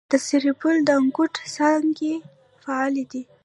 د سرپل د انګوت څاګانې فعالې دي؟